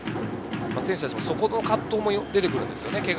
選手たちもそこの葛藤はよく出てくるんですね。